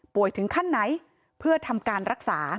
ถึงขั้นไหนเพื่อทำการรักษา